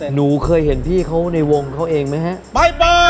หนูเคยเห็นพี่เขาในวงเขาเองไหมฮะ